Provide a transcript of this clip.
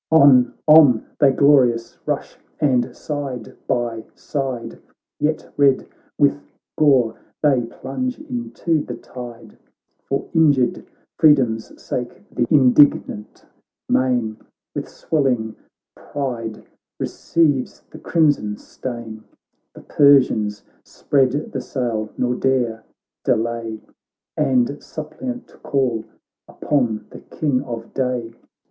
On, on, they glorious rush, and side by side, Yet red with gore, they plunge into the tide; For injured freedom's sake th' indignant main With swelling pride receives the crimson stain ; The Persians spread the sail, nor dare delay. And suppliant call upon the King of day.